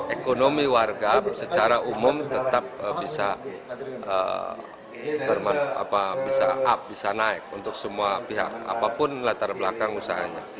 ekonomi warga secara umum tetap bisa up bisa naik untuk semua pihak apapun latar belakang usahanya